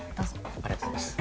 ありがとうございます。